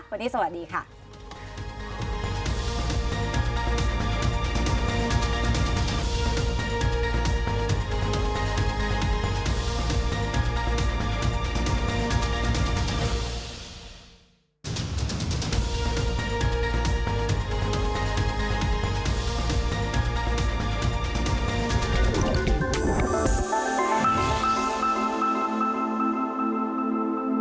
โปรดติดตามตอนต่อไป